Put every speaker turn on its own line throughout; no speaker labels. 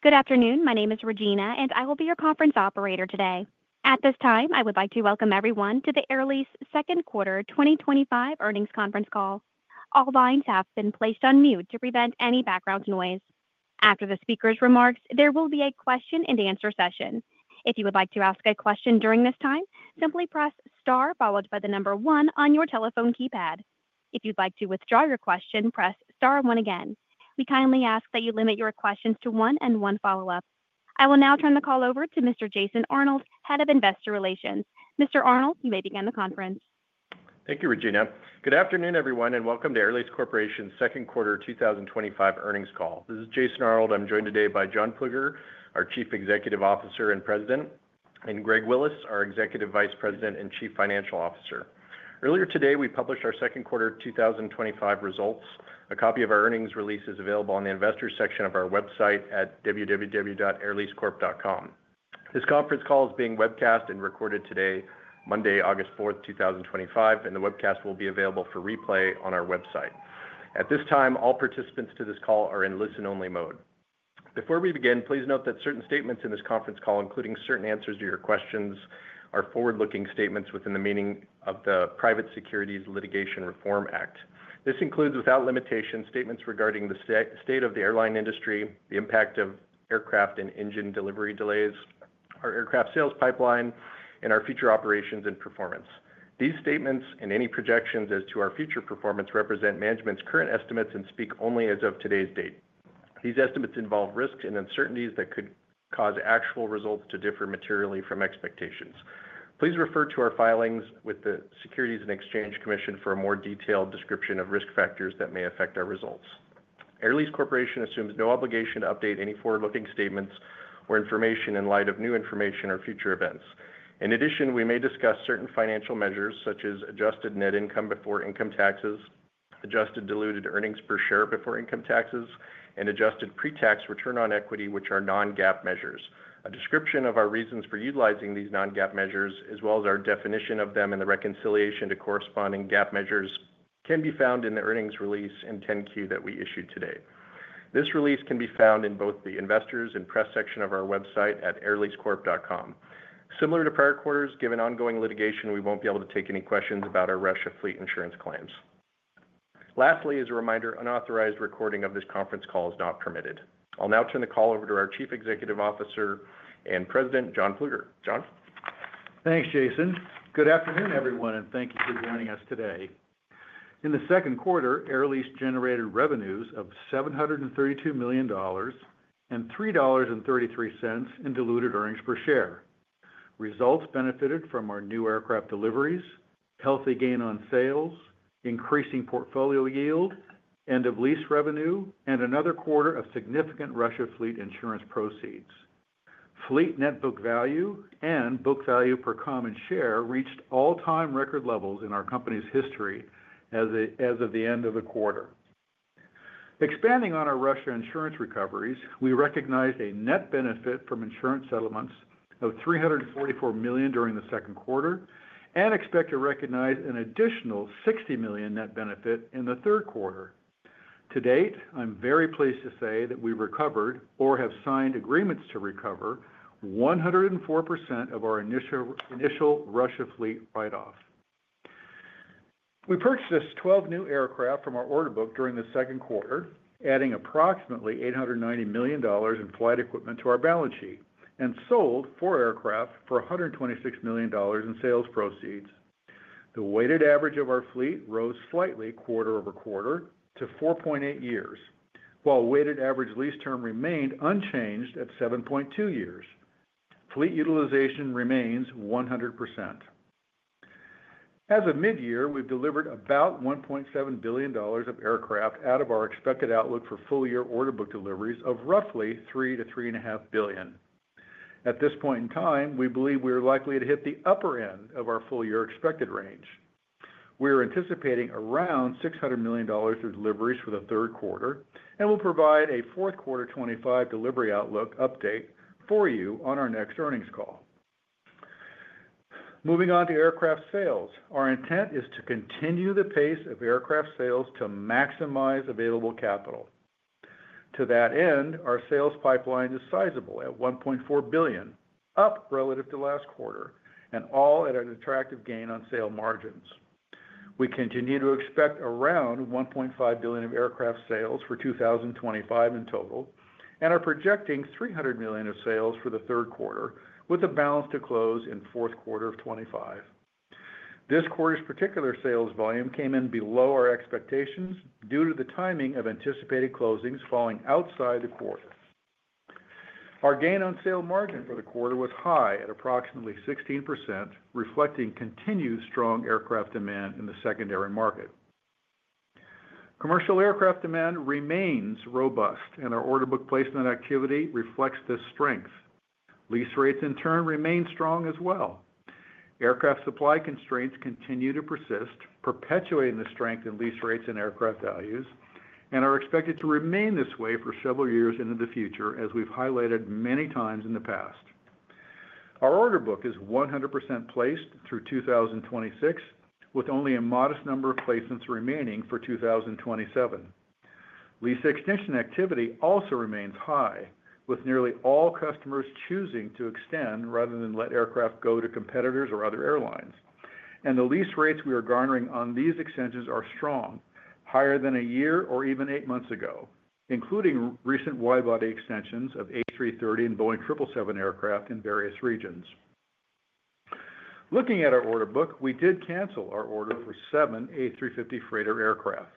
Good afternoon. My name is Regina, and I will be your conference operator today. At this time, I would like to welcome everyone to the Air Lease's Second Quarter 2025 Earnings Conference Call. All lines have been placed on mute to prevent any background noise. After the speaker's remarks, there will be a question-and-answer session. If you would like to ask a question during this time, simply press star followed by the number one on your telephone keypad. If you'd like to withdraw your question, press star one again. We kindly ask that you limit your questions to one and one follow-up. I will now turn the call over to Mr. Jason Arnold, Head of Investor Relations. Mr. Arnold, you may begin the conference.
Thank you, Regina. Good afternoon, everyone, and welcome to Air Lease Corporation's Second Quarter 2025 Earnings Call. This is Jason Arnold. I'm joined today by John Plueger, our Chief Executive Officer and President, and Greg Willis, our Executive Vice President and Chief Financial Officer. Earlier today, we published our second quarter 2025 results. A copy of our earnings release is available on the investors section of our website at www.airleasecorp.com. This conference call is being webcast and recorded today, Monday, August 4th, 2025, and the webcast will be available for replay on our website. At this time, all participants to this call are in listen-only mode. Before we begin, please note that certain statements in this conference call, including certain answers to your questions, are forward-looking statements within the meaning of the Private Securities Litigation Reform Act. This includes, without limitation, statements regarding the state of the airline industry, the impact of aircraft and engine delivery delays, our aircraft sales pipeline, and our future operations and performance. These statements and any projections as to our future performance represent management's current estimates and speak only as of today's date. These estimates involve risks and uncertainties that could cause actual results to differ materially from expectations. Please refer to our filings with the Securities and Exchange Commission for a more detailed description of risk factors that may affect our results. Air Lease Corporation assumes no obligation to update any forward-looking statements or information in light of new information or future events. In addition, we may discuss certain financial measures such as adjusted net income before income taxes, adjusted diluted earnings per share before income taxes, and adjusted pre-tax return on equity, which are non-GAAP measures. A description of our reasons for utilizing these non-GAAP measures, as well as our definition of them and the reconciliation to corresponding GAAP measures, can be found in the earnings release and 10Q that we issued today. This release can be found in both the investors and press section of our website at airleasecorp.com. Similar to prior quarters, given ongoing litigation, we won't be able to take any questions about our Russia fleet insurance claims. Lastly, as a reminder, unauthorized recording of this conference call is not permitted. I'll now turn the call over to our Chief Executive Officer and President, John Plueger. John?
Thanks, Jason. Good afternoon, everyone, and thank you for joining us today. In the second quarter, Air Lease Corporation generated revenues of $732 million and $3.33 in diluted earnings per share. Results benefited from our new aircraft deliveries, healthy gain on sales, increasing portfolio yield, end-of-lease revenue, and another quarter of significant Russia fleet insurance proceeds. Fleet net book value and book value per common share reached all-time record levels in our company's history as of the end of the quarter. Expanding on our Russia insurance recoveries, we recognize a net benefit from insurance settlements of $344 million during the second quarter and expect to recognize an additional $60 million net benefit in the third quarter. To date, I'm very pleased to say that we recovered, or have signed agreements to recover, 104% of our initial Russia fleet write-off. We purchased 12 new aircraft from our order book during the second quarter, adding approximately $890 million in flight equipment to our balance sheet and sold four aircraft for $126 million in sales proceeds. The weighted average age of our fleet rose slightly quarter over quarter to 4.8 years, while weighted average lease term remained unchanged at 7.2 years. Fleet utilization remains 100%. As of mid-year, we've delivered about $1.7 billion of aircraft out of our expected outlook for full-year order book deliveries of roughly $3 billion-$3.5 billion. At this point in time, we believe we are likely to hit the upper end of our full-year expected range. We are anticipating around $600 million of deliveries for the third quarter and will provide a fourth quarter 2025 delivery outlook update for you on our next earnings call. Moving on to aircraft sales, our intent is to continue the pace of aircraft sales to maximize available capital. To that end, our sales pipeline is sizable at $1.4 billion, up relative to last quarter, and all at an attractive gain on sale margins. We continue to expect around $1.5 billion of aircraft sales for 2025 in total and are projecting $300 million of sales for the third quarter, with a balance to close in fourth quarter of 2025. This quarter's particular sales volume came in below our expectations due to the timing of anticipated closings falling outside the quarter. Our gain on sale margin for the quarter was high at approximately 16%, reflecting continued strong aircraft demand in the secondary market. Commercial aircraft demand remains robust, and our order book placement activity reflects this strength. Lease rates, in turn, remain strong as well. Aircraft supply constraints continue to persist, perpetuating the strength in lease rates and aircraft values, and are expected to remain this way for several years into the future, as we've highlighted many times in the past. Our order book is 100% placed through 2026, with only a modest number of placements remaining for 2027. Lease extension activity also remains high, with nearly all customers choosing to extend rather than let aircraft go to competitors or other airlines. The lease rates we are garnering on these extensions are strong, higher than a year or even eight months ago, including recent widebody extensions of A330 and Boeing 777 aircraft in various regions. Looking at our order book, we did cancel our order for seven A350 freighter aircraft.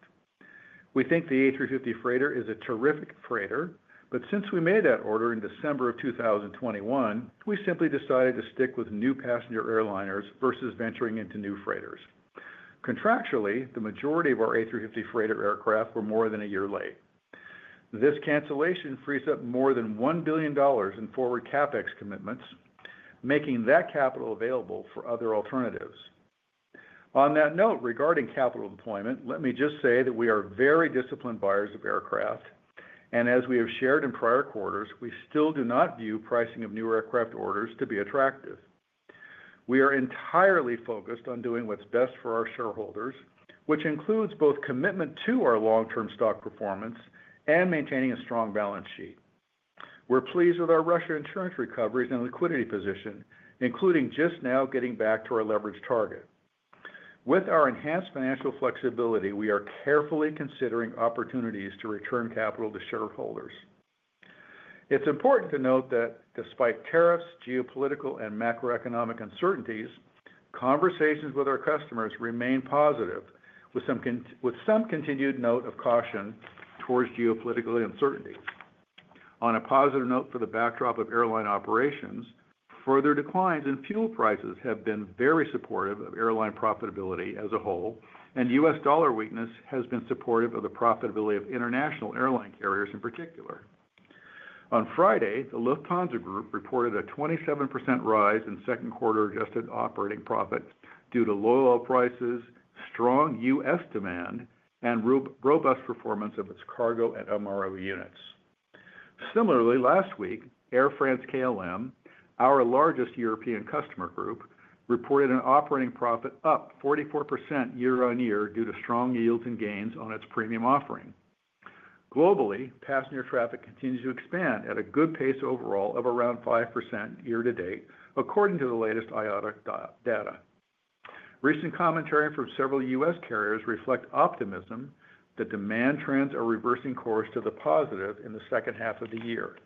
We think the A350 freighter is a terrific freighter, but since we made that order in December of 2021, we simply decided to stick with new passenger airliners versus venturing into new freighters. Contractually, the majority of our A350 freighter aircraft were more than a year late. This cancellation frees up more than $1 billion in forward CapEx commitments, making that capital available for other alternatives. On that note, regarding capital deployment, let me just say that we are very disciplined buyers of aircraft, and as we have shared in prior quarters, we still do not view pricing of new aircraft orders to be attractive. We are entirely focused on doing what's best for our shareholders, which includes both commitment to our long-term stock performance and maintaining a strong balance sheet. We're pleased with our Russia insurance recoveries and liquidity position, including just now getting back to our leverage target. With our enhanced financial flexibility, we are carefully considering opportunities to return capital to shareholders. It's important to note that despite tariffs, geopolitical, and macroeconomic uncertainties, conversations with our customers remain positive, with some continued note of caution towards geopolitical uncertainties. For the backdrop of airline operations, further declines in fuel prices have been very supportive of airline profitability as a whole, and U.S. dollar weakness has been supportive of the profitability of international airline carriers in particular. On Friday, the Lufthansa Group reported a 27% rise in second quarter adjusted operating profits due to loyal prices, strong U.S. demand, and robust performance of its cargo and MRO units. Similarly, last week, Air France-KLM, our largest European customer group, reported an operating profit up 44% year-on-year due to strong yields and gains on its premium offering. Globally, passenger traffic continues to expand at a good pace overall of around 5% year-to-date, according to the latest IATA data. Recent commentary from several U.S. carriers reflects optimism that demand trends are reversing course to the positive in the second half of the year.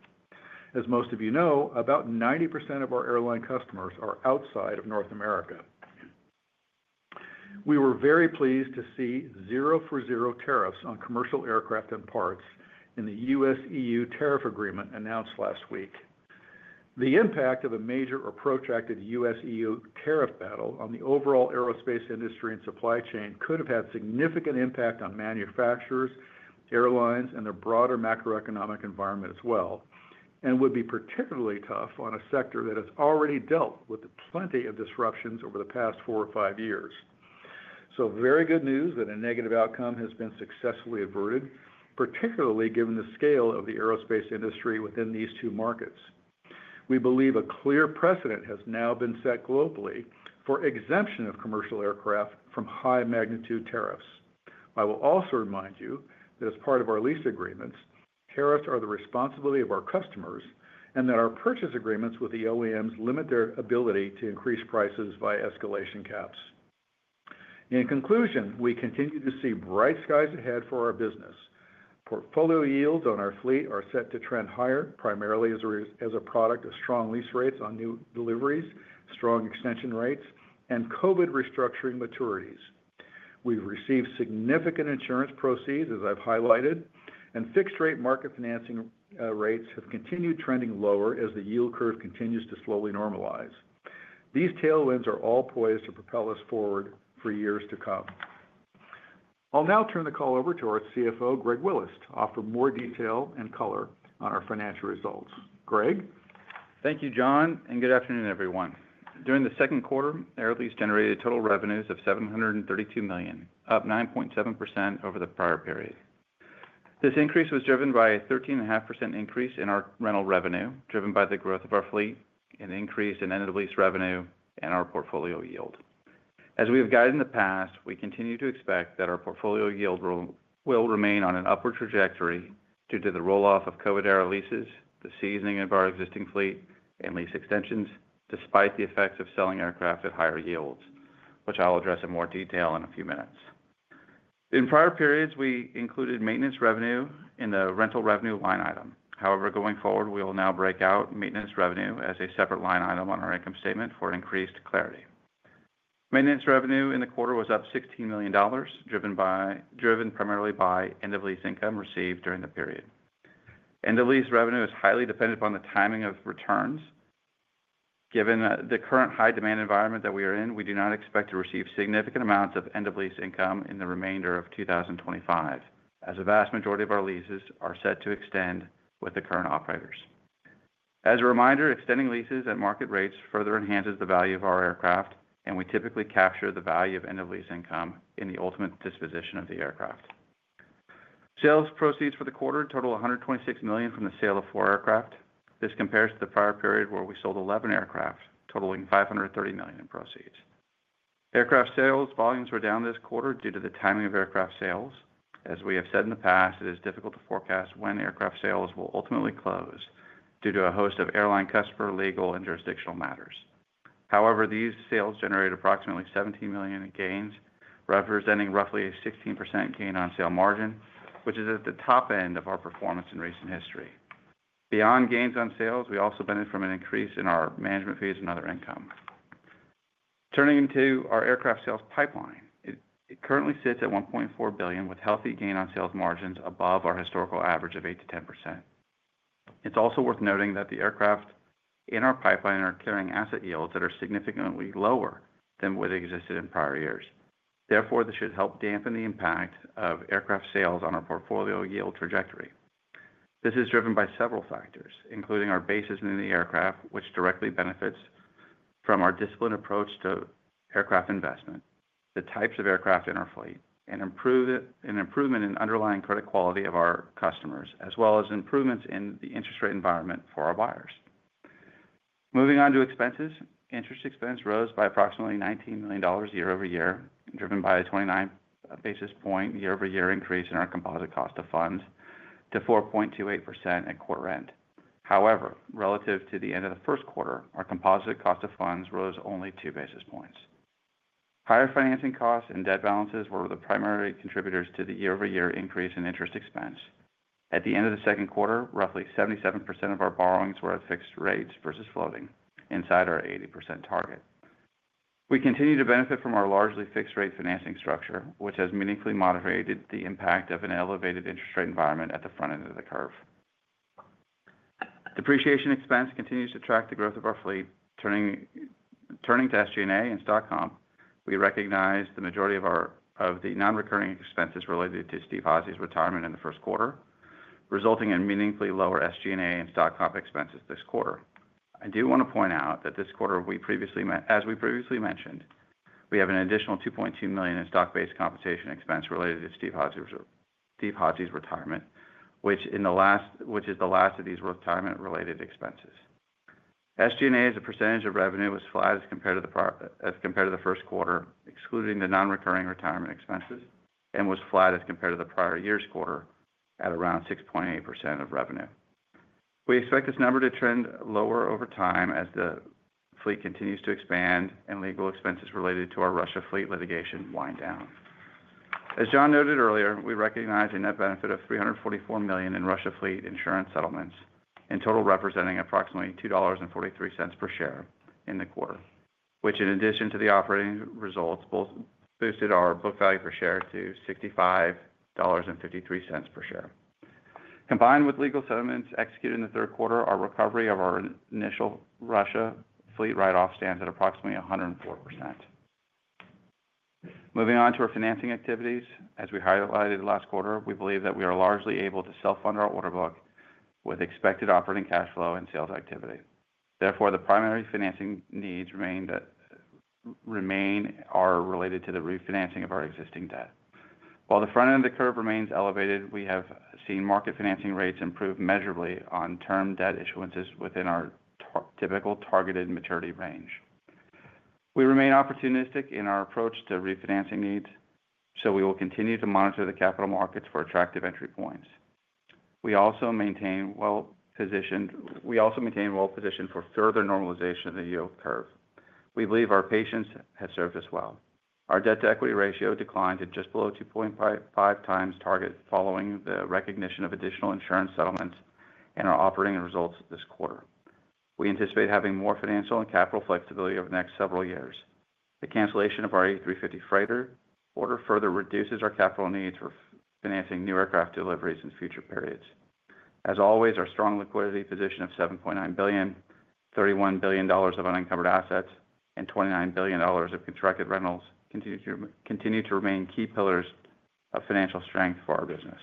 As most of you know, about 90% of our airline customers are outside of North America. We were very pleased to see zero-for-zero tariffs on commercial aircraft and parts in the U.S.-EU tariff agreement announced last week. The impact of a major or protracted U.S.-EU tariff battle on the overall aerospace industry and supply chain could have had significant impact on manufacturers, airlines, and the broader macroeconomic environment as well, and would be particularly tough on a sector that has already dealt with plenty of disruptions over the past 4-5 years. Very good news that a negative outcome has been successfully averted, particularly given the scale of the aerospace industry within these two markets. We believe a clear precedent has now been set globally for exemption of commercial aircraft from high-magnitude tariffs. I will also remind you that as part of our lease agreements, tariffs are the responsibility of our customers and that our purchase agreements with the OEMs limit their ability to increase prices by escalation caps. In conclusion, we continue to see bright skies ahead for our business. Portfolio yields on our fleet are set to trend higher, primarily as a product of strong lease rates on new deliveries, strong extension rates, and COVID restructuring maturities. We've received significant insurance proceeds, as I've highlighted, and fixed-rate market financing rates have continued trending lower as the yield curve continues to slowly normalize. These tailwinds are all poised to propel us forward for years to come. I'll now turn the call over to our CFO, Greg Willis, to offer more detail and color on our financial results. Greg?
Thank you, John, and good afternoon, everyone. During the second quarter, Air Lease generated total revenues of $732 million, up 9.7% over the prior period. This increase was driven by a 13.5% increase in our rental revenue, driven by the growth of our fleet, an increase in end-of-lease revenue, and our portfolio yield. As we have guided in the past, we continue to expect that our portfolio yield will remain on an upward trajectory due to the rolloff of COVID-era leases, the seasoning of our existing fleet, and lease extensions, despite the effects of selling aircraft at higher yields, which I'll address in more detail in a few minutes. In prior periods, we included maintenance revenue in the rental revenue line item. However, going forward, we will now break out maintenance revenue as a separate line item on our income statement for increased clarity. Maintenance revenue in the quarter was up $16 million, driven primarily by end-of-lease income received during the period. End-of-lease revenue is highly dependent upon the timing of returns. Given the current high demand environment that we are in, we do not expect to receive significant amounts of end-of-lease income in the remainder of 2025, as a vast majority of our leases are set to extend with the current operators. As a reminder, extending leases at market rates further enhances the value of our aircraft, and we typically capture the value of end-of-lease income in the ultimate disposition of the aircraft. Sales proceeds for the quarter total $126 million from the sale of four aircraft. This compares to the prior period where we sold 11 aircraft, totaling $530 million in proceeds. Aircraft sales volumes were down this quarter due to the timing of aircraft sales. As we have said in the past, it is difficult to forecast when aircraft sales will ultimately close due to a host of airline customer legal and jurisdictional matters. However, these sales generated approximately $17 million in gains, representing roughly a 16% gain on sale margin, which is at the top end of our performance in recent history. Beyond gains on sales, we also benefit from an increase in our management fees and other income. Turning to our aircraft sales pipeline, it currently sits at $1.4 billion, with healthy gain on sales margins above our historical average of 8%-10%. It's also worth noting that the aircraft in our pipeline are carrying asset yields that are significantly lower than what existed in prior years. Therefore, this should help dampen the impact of aircraft sales on our portfolio yield trajectory. This is driven by several factors, including our basis in the aircraft, which directly benefits from our disciplined approach to aircraft investment, the types of aircraft in our fleet, and an improvement in underlying credit quality of our customers, as well as improvements in the interest rate environment for our buyers. Moving on to expenses, interest expense rose by approximately $19 million year-over-year, driven by a 29 basis point year-over-year increase in our composite cost of funds to 4.28% at quarter end. However, relative to the end of the first quarter, our composite cost of funds rose only 2 basis points. Higher financing costs and debt balances were the primary contributors to the year-over-year increase in interest expense. At the end of the second quarter, roughly 77% of our borrowings were at fixed rates versus floating, inside our 80% target. We continue to benefit from our largely fixed-rate financing structure, which has meaningfully moderated the impact of an elevated interest rate environment at the front end of the curve. Depreciation expense continues to track the growth of our fleet. Turning to SG&A and stock comp, we recognize the majority of the non-recurring expenses related to Steve Házy's retirement in the first quarter, resulting in meaningfully lower SG&A and stock comp expenses this quarter. I do want to point out that this quarter, as we previously mentioned, we have an additional $2.2 million in stock-based compensation expense related to Steve Házy's retirement, which is the last of these retirement-related expenses. SG&A as a percentage of revenue was flat as compared to the first quarter, excluding the non-recurring retirement expenses, and was flat as compared to the prior year's quarter at around 6.8% of revenue. We expect this number to trend lower over time as the fleet continues to expand and legal expenses related to our Russia fleet litigation wind down. As John noted earlier, we recognize a net benefit of $344 million in Russia fleet insurance settlements, in total representing approximately $2.43 per share in the quarter, which, in addition to the operating results, boosted our book value per share to $65.53 per share. Combined with legal settlements executed in the third quarter, our recovery of our initial Russia fleet write-off stands at approximately 104%. Moving on to our financing activities, as we highlighted last quarter, we believe that we are largely able to self-fund our order book with expected operating cash flow and sales activity. Therefore, the primary financing needs remain related to the refinancing of our existing debt. While the front end of the curve remains elevated, we have seen market financing rates improve measurably on term debt issuances within our typical targeted maturity range. We remain opportunistic in our approach to refinancing needs, so we will continue to monitor the capital markets for attractive entry points. We also maintain well-positioned for further normalization of the yield curve. We believe our patience has served us well. Our debt-to-equity ratio declined to just below 2.5 times target following the recognition of additional insurance settlements and our operating results this quarter. We anticipate having more financial and capital flexibility over the next several years. The cancellation of our A350 freighter order further reduces our capital needs for financing new aircraft deliveries in future periods. As always, our strong liquidity position of $7.9 billion, $31 billion of unencumbered assets, and $29 billion of contracted rentals continue to remain key pillars of financial strength for our business.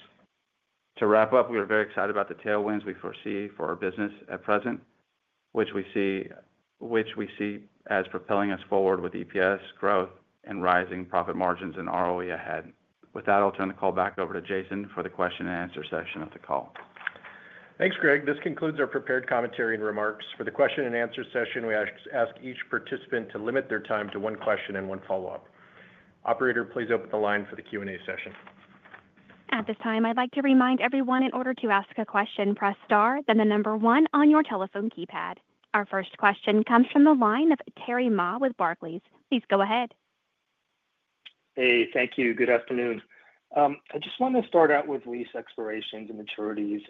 To wrap up, we are very excited about the tailwinds we foresee for our business at present, which we see as propelling us forward with EPS growth and rising profit margins and ROE ahead. With that, I'll turn the call back over to Jason for the question-and-answer session of the call.
Thanks, Greg. This concludes our prepared commentary and remarks. For the question-and-answer session, we ask each participant to limit their time to one question and one follow-up. Operator, please open the line for the Q&A session.
At this time, I'd like to remind everyone, in order to ask a question, press star, then the number one on your telephone keypad. Our first question comes from the line of Terry Ma with Barclays. Please go ahead.
Hey, thank you. Good afternoon. I just want to start out with lease expirations and maturities.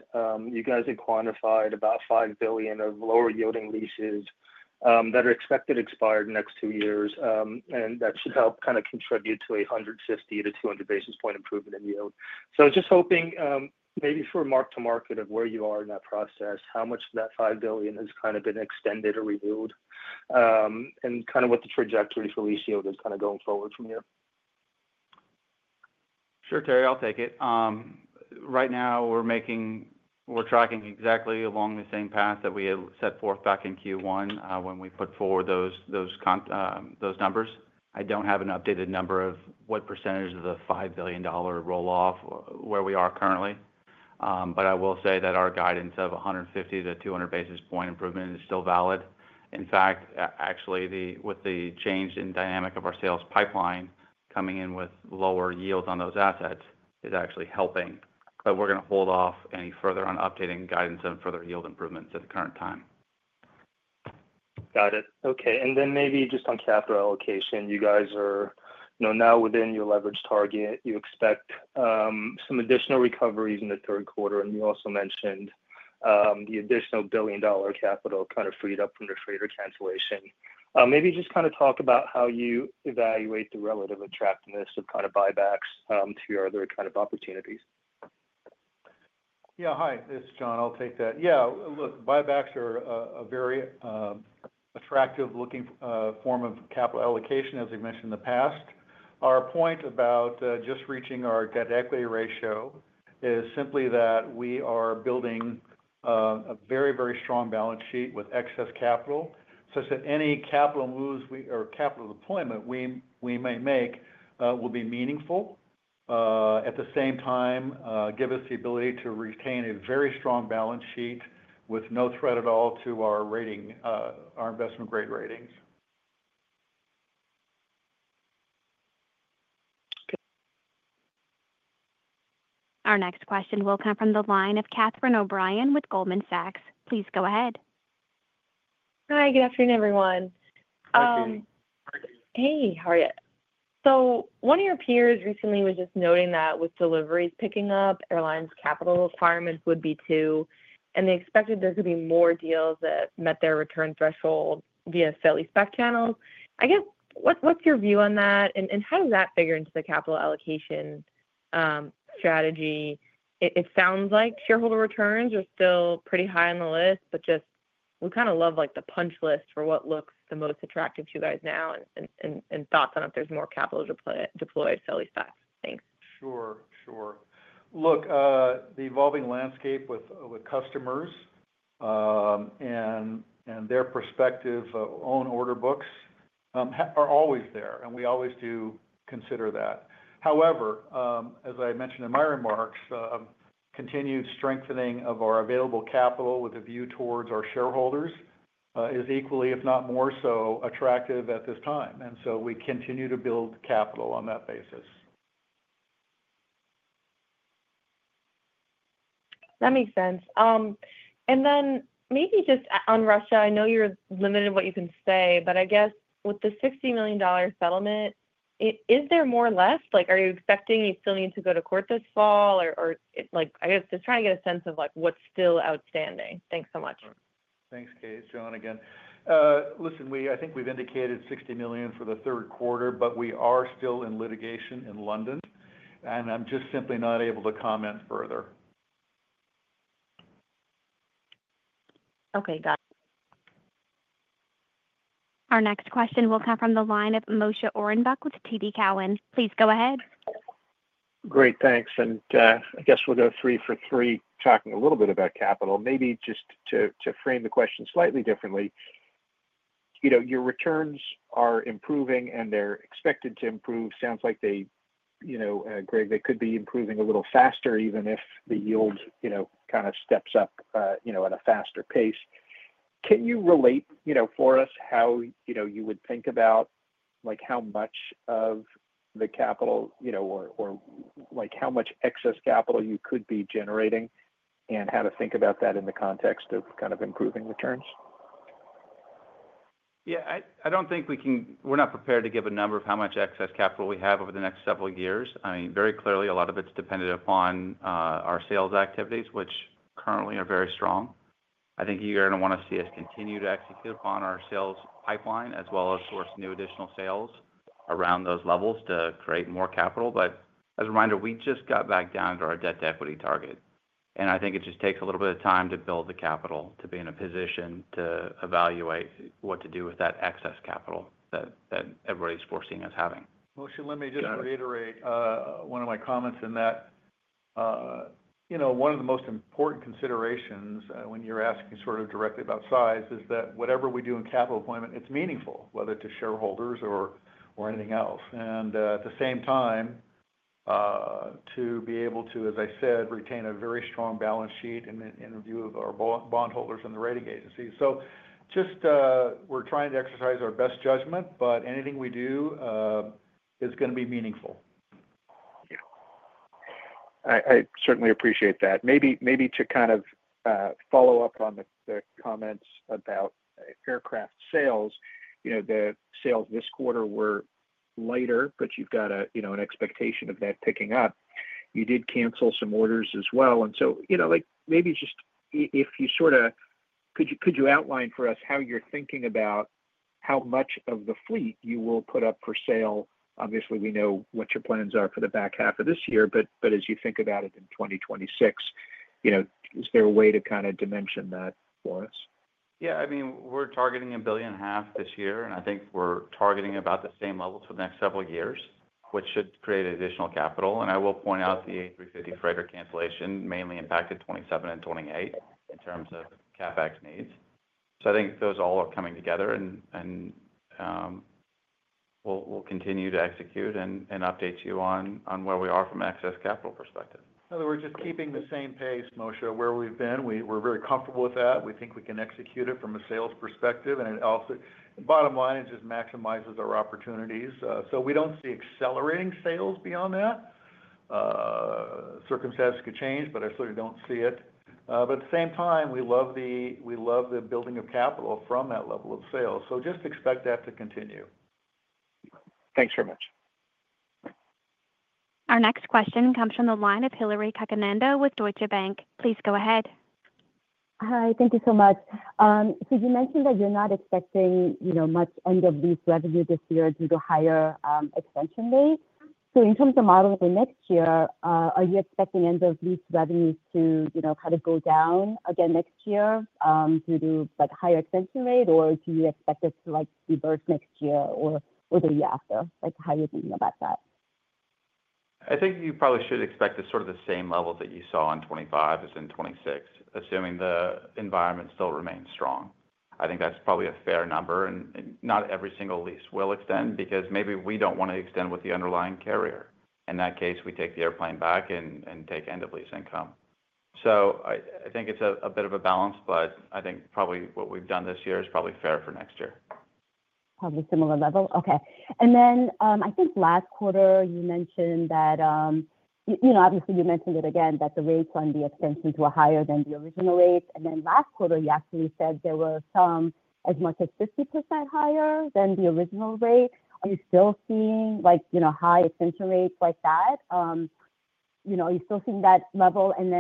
You guys had quantified about $5 billion of lower yielding leases that are expected to expire in the next two years, and that should help contribute to a 150-200 basis point improvement in yield. I was just hoping, maybe for a mark-to-market of where you are in that process, how much of that $5 billion has been extended or renewed, and what the trajectory for lease yield is going forward from you.
Sure, Terry, I'll take it. Right now, we're tracking exactly along the same path that we had set forth back in Q1 when we put forward those numbers. I don't have an updated number of what % of the $5 billion roll-off where we are currently, but I will say that our guidance of 150-200 basis point improvement is still valid. In fact, actually, with the change in dynamic of our sales pipeline coming in with lower yields on those assets is actually helping, but we're going to hold off any further on updating guidance on further yield improvements at the current time.
Got it. Okay. Maybe just on capital allocation, you guys are now within your leverage target. You expect some additional recoveries in the third quarter, and you also mentioned the additional $1 billion capital kind of freed up from the freighter cancellation. Maybe just kind of talk about how you evaluate the relative attractiveness of kind of buybacks to your other kind of opportunities.
Yeah, hi, this is John. I'll take that. Yeah, look, buybacks are a very attractive looking form of capital allocation, as I mentioned in the past. Our point about just reaching our debt-to-equity ratio is simply that we are building a very, very strong balance sheet with excess capital, such that any capital moves or capital deployment we may make will be meaningful. At the same time, give us the ability to retain a very strong balance sheet with no threat at all to our investment grade ratings.
Our next question will come from the line of Catherine O'Brien with Goldman Sachs. Please go ahead.
Hi, good afternoon, everyone.
Welcome.
Hey, how are you? One of your peers recently was just noting that with deliveries picking up, airlines' capital requirements would be too, and they expected there could be more deals that met their return threshold via sale-leaseback channels. I guess, what's your view on that, and how does that figure into the capital allocation strategy? It sounds like shareholder returns are still pretty high on the list, but we kind of love the punch list for what looks the most attractive to you guys now and thoughts on if there's more capital deployed sale-leaseback. Thanks.
Sure. Look, the evolving landscape with customers and their perspective on order books are always there, and we always do consider that. However, as I mentioned in my remarks, continued strengthening of our available capital with a view towards our shareholders is equally, if not more so, attractive at this time. We continue to build capital on that basis.
That makes sense. Maybe just on Russia, I know you're limited in what you can say, but I guess with the $60 million settlement, is there more left? Are you expecting you still need to go to court this fall, or just trying to get a sense of what's still outstanding. Thanks so much.
Thanks, Kate. It's John again. I think we've indicated $60 million for the third quarter, but we are still in litigation in London, and I'm just simply not able to comment further.
Okay, got it.
Our next question will come from the line of Moshe Orenbuch with TD Cowen. Please go ahead.
Great, thanks. I guess we'll go three for three, talking a little bit about capital. Maybe just to frame the question slightly differently. Your returns are improving, and they're expected to improve. Sounds like they, Greg, they could be improving a little faster even if the yield kind of steps up at a faster pace. Can you relate for us how you would think about like how much of the capital, or like how much excess capital you could be generating and how to think about that in the context of kind of improving returns?
Yeah, I don't think we can, we're not prepared to give a number of how much excess capital we have over the next several years. Very clearly, a lot of it's dependent upon our sales activities, which currently are very strong. I think you're going to want to see us continue to execute upon our sales pipeline as well as source new additional sales around those levels to create more capital. As a reminder, we just got back down to our debt-to-equity target. I think it just takes a little bit of time to build the capital to be in a position to evaluate what to do with that excess capital that everybody's foreseeing us having.
Moshe, let me just reiterate one of my comments in that, you know, one of the most important considerations when you're asking sort of directly about size is that whatever we do in capital appointment, it's meaningful, whether to shareholders or anything else. At the same time, to be able to, as I said, retain a very strong balance sheet in the view of our bondholders and the rating agency. We're trying to exercise our best judgment, but anything we do is going to be meaningful.
I certainly appreciate that. Maybe to kind of follow up on the comments about aircraft sales, the sales this quarter were lighter, but you've got an expectation of that picking up. You did cancel some orders as well. If you could outline for us how you're thinking about how much of the fleet you will put up for sale, that would be helpful. Obviously, we know what your plans are for the back half of this year, but as you think about it in 2026, is there a way to kind of dimension that for us?
Yeah, I mean, we're targeting $1.5 billion this year, and I think we're targeting about the same levels for the next several years, which should create additional capital. I will point out the A350 freighter cancellation mainly impacted 2027 and 2028 in terms of CapEx needs. I think those all are coming together and we'll continue to execute and update you on where we are from an excess capital perspective.
In other words, just keeping the same pace, Moshe, where we've been. We're very comfortable with that. We think we can execute it from a sales perspective, and it also, bottom line, it just maximizes our opportunities. We don't see accelerating sales beyond that. Circumstances could change, I certainly don't see it. At the same time, we love the building of capital from that level of sales. Just expect that to continue.
Thanks very much.
Our next question comes from the line of Hillary Cacanando with Deutsche Bank. Please go ahead.
Hi, thank you so much. You mentioned that you're not expecting much end-of-lease revenue this year due to higher extension rates. In terms of modeling for next year, are you expecting end-of-lease revenues to go down again next year due to a higher extension rate, or do you expect it to revert next year or the year after? How are you thinking about that?
I think you probably should expect the sort of the same levels that you saw in 2025 as in 2026, assuming the environment still remains strong. I think that's probably a fair number, and not every single lease will extend because maybe we don't want to extend with the underlying carrier. In that case, we take the airplane back and take end-of-lease income. I think it's a bit of a balance, but I think probably what we've done this year is probably fair for next year.
Probably similar level. Okay. I think last quarter you mentioned that, you know, obviously you mentioned it again that the rates on the extensions were higher than the original rates. Last quarter you actually said there were some as much as 50% higher than the original rate. Are you still seeing, like, you know, high extension rates like that? Are you still seeing that level? In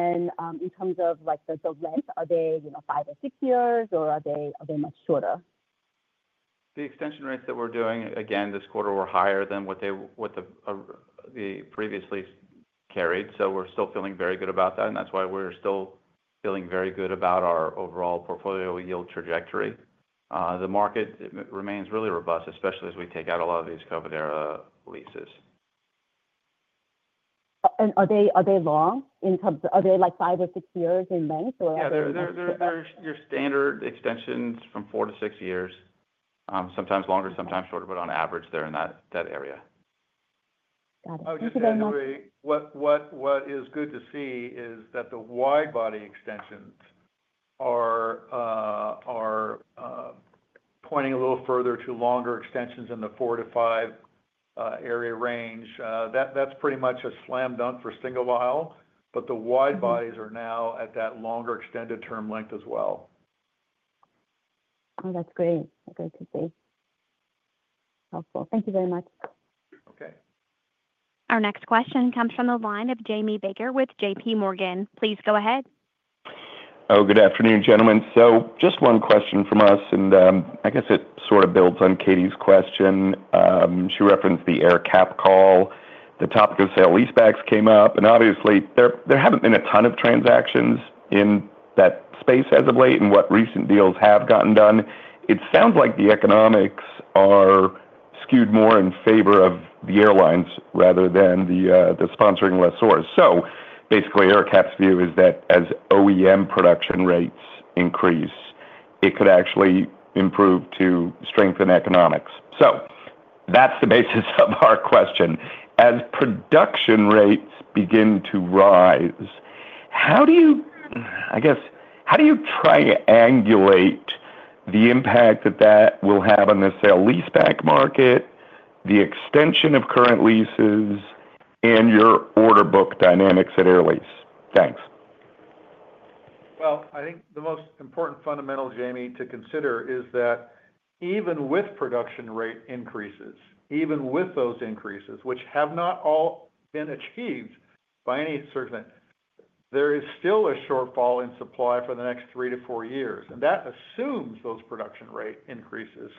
terms of the rest, are they, you know, five or six years, or are they much shorter?
The extension rates that we're doing again this quarter were higher than what the previous lease carried. We're still feeling very good about that, which is why we're still feeling very good about our overall portfolio yield trajectory. The market remains really robust, especially as we take out a lot of these COVID-era leases.
Are they long in terms of, are they like 5-6 years in length?
Yeah, they're your standard extensions from 4-6 years, sometimes longer, sometimes shorter, but on average, they're in that area.
Got it.
Actually, what is good to see is that the wide-body extensions are pointing a little further to longer extensions in the four to five area range. That's pretty much a slam dunk for single aisle, but the wide bodies are now at that longer extended term length as well.
Oh, that's great. Good to see. Helpful. Thank you very much.
Okay.
Our next question comes from the line of Jamie Baker with JPMorgan. Please go ahead.
Oh, good afternoon, gentlemen. Just one question from us, and I guess it sort of builds on Katie's question. She referenced the AerCap call. The topic of sale leasebacks came up, and obviously, there haven't been a ton of transactions in that space as of late, and what recent deals have gotten done. It sounds like the economics are skewed more in favor of the airlines rather than the sponsoring lessors. AerCap's view is that as OEM production rates increase, it could actually improve to strengthen economics. That's the basis of our question. As production rates begin to rise, how do you, I guess, how do you triangulate the impact that that will have on the sale leaseback market, the extension of current leases, and your order book dynamics at Air Lease? Thanks.
I think the most important fundamental, Jamie, to consider is that even with production rate increases, even with those increases, which have not all been achieved by any certain length, there is still a shortfall in supply for the next three to four years, and that assumes those production rate increases.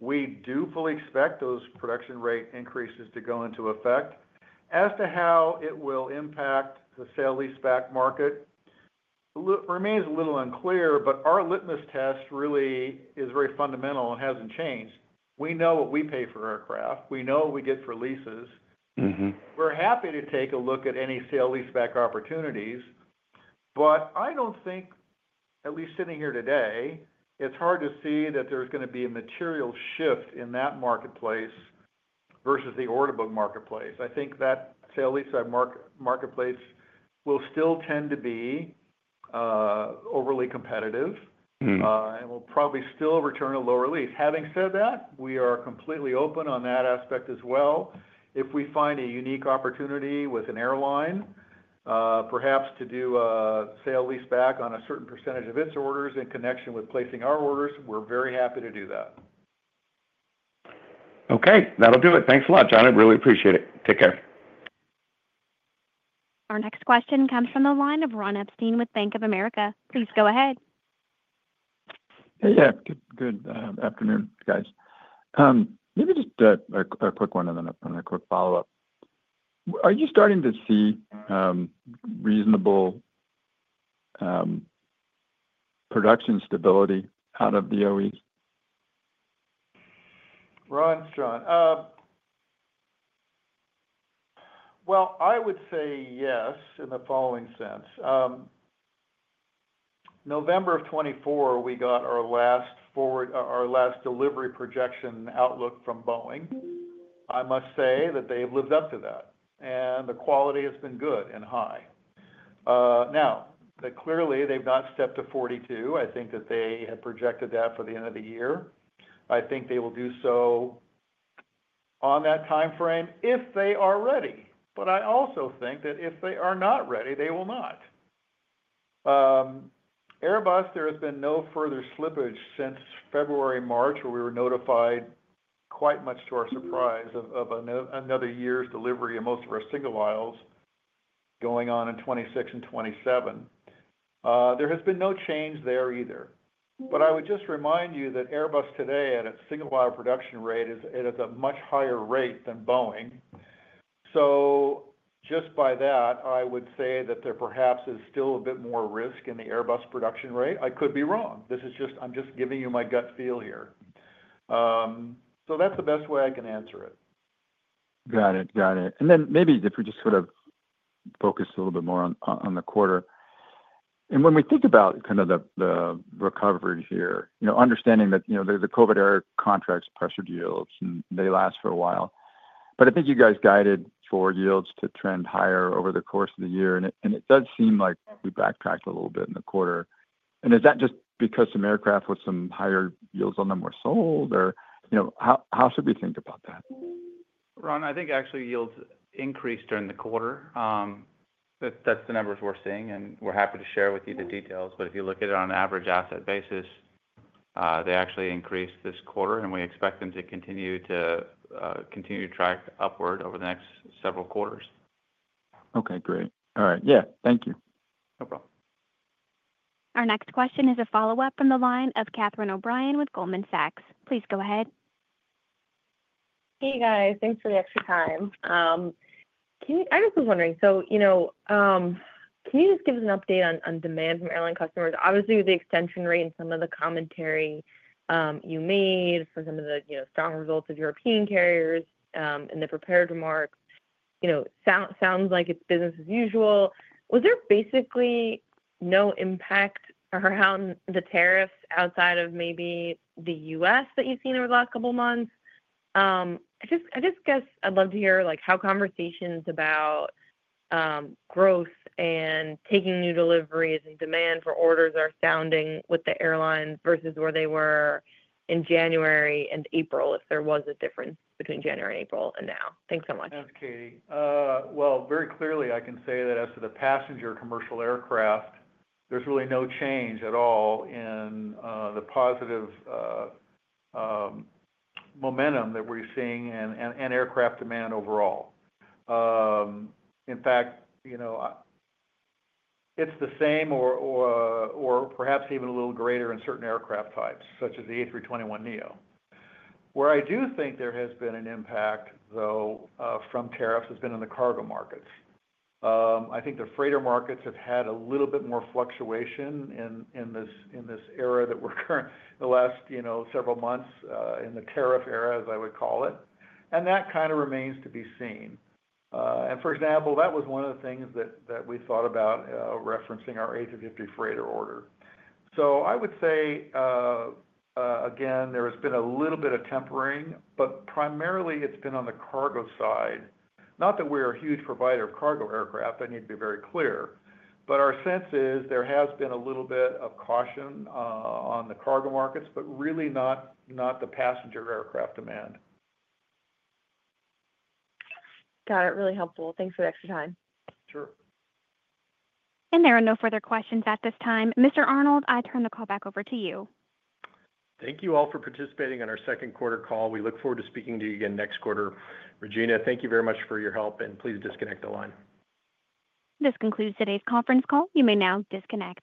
We do fully expect those production rate increases to go into effect. As to how it will impact the sale leaseback market remains a little unclear, but our litmus test really is very fundamental and hasn't changed. We know what we pay for aircraft. We know what we get for leases. We're happy to take a look at any sale leaseback opportunities, but I don't think, at least sitting here today, it's hard to see that there's going to be a material shift in that marketplace versus the order book marketplace. I think that sale leaseback marketplace will still tend to be overly competitive and will probably still return a lower lease. Having said that, we are completely open on that aspect as well. If we find a unique opportunity with an airline, perhaps to do a sale leaseback on a certain percentage of its orders in connection with placing our orders, we're very happy to do that.
Okay, that'll do it. Thanks a lot, John. I really appreciate it. Take care.
Our next question comes from the line of Ron Epstein with Bank of America. Please go ahead.
Yeah, yeah. Good afternoon, guys. Maybe just a quick one and then a quick follow-up. Are you starting to see reasonable production stability out of the OEs?
John. I would say yes in the following sense. November of 2024, we got our last forward, our last delivery projection outlook from Boeing. I must say that they've lived up to that, and the quality has been good and high. Clearly, they've not stepped to 42. I think that they have projected that for the end of the year. I think they will do so on that timeframe if they are ready. I also think that if they are not ready, they will not. Airbus, there has been no further slippage since February, March, where we were notified, quite much to our surprise, of another year's delivery of most of our single aisles going on in 2026 and 2027. There has been no change there either. I would just remind you that Airbus today at its single aisle production rate is at a much higher rate than Boeing. Just by that, I would say that there perhaps is still a bit more risk in the Airbus production rate. I could be wrong. This is just, I'm just giving you my gut feel here. That's the best way I can answer it.
Got it. Maybe if we just sort of focus a little bit more on the quarter. When we think about kind of the recovery here, you know, understanding that, you know, the COVID era contracts pressured yields, and they last for a while. I think you guys guided for yields to trend higher over the course of the year, and it does seem like we backtracked a little bit in the quarter. Is that just because some aircraft with some higher yields on them were sold, or, you know, how should we think about that?
Ron, I think actually yields increased during the quarter. That's the numbers we're seeing, and we're happy to share with you the details. If you look at it on an average asset basis, they actually increased this quarter, and we expect them to continue to track upward over the next several quarters.
Okay, great. All right. Yeah, thank you.
No problem.
Our next question is a follow-up from the line of Catherine O'Brien with Goldman Sachs. Please go ahead.
Hey, guys. Thanks for the extra time. I just was wondering, can you just give us an update on demand from airline customers? Obviously, with the extension rate and some of the commentary you made for some of the strong results of European carriers and the prepared remarks, it sounds like it's business as usual. Was there basically no impact around the tariffs outside of maybe the U.S. that you've seen over the last couple of months? I just guess I'd love to hear how conversations about growth and taking new deliveries and demand for orders are sounding with the airlines versus where they were in January and April, if there was a difference between January and April and now. Thanks so much.
Thanks, Katie. Very clearly, I can say that as to the passenger commercial aircraft, there's really no change at all in the positive momentum that we're seeing in aircraft demand overall. In fact, it's the same or perhaps even a little greater in certain aircraft types, such as the A321neo. Where I do think there has been an impact, though, from tariffs has been in the cargo markets. I think the freighter markets have had a little bit more fluctuation in this era that we're currently in, the last several months in the tariff era, as I would call it. That kind of remains to be seen. For example, that was one of the things that we thought about referencing our A350 freighter order. I would say, again, there has been a little bit of tempering, but primarily, it's been on the cargo side. Not that we're a huge provider of cargo aircraft. I need to be very clear. Our sense is there has been a little bit of caution on the cargo markets, but really not the passenger aircraft demand.
Got it. Really helpful. Thanks for the extra time.
Sure.
There are no further questions at this time. Mr. Arnold, I turn the call back over to you.
Thank you all for participating in our second quarter call. We look forward to speaking to you again next quarter. Regina, thank you very much for your help, and please disconnect the line.
This concludes today's conference call. You may now disconnect.